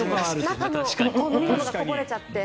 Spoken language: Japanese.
中の飲み物がこぼれちゃって。